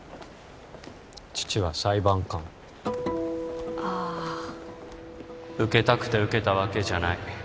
父は裁判官ああ受けたくて受けたわけじゃない